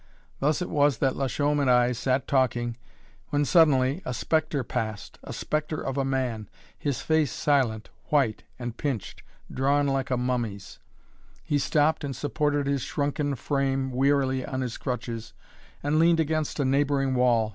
Thus it was that Lachaume and I sat talking, when suddenly a spectre passed a spectre of a man, his face silent, white, and pinched drawn like a mummy's. [Illustration: A SCULPTOR'S MODEL] He stopped and supported his shrunken frame wearily on his crutches, and leaned against a neighboring wall.